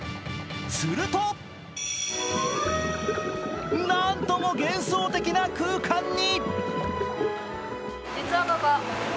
すると、なんとも幻想的な空間に。